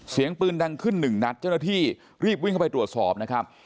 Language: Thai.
เสียงปืนดังขึ้นหนึ่งนัดเจ้าหน้าที่รีบวิ่งเข้าไปตรวจสอบนะครับ